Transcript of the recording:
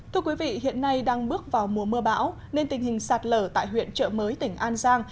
thưa quý vị hiện nay đang bước vào mùa mưa bão nên tình hình sạt lở tại huyện trợ mới tỉnh an giang